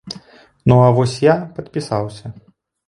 Ну а вось я падпісаўся.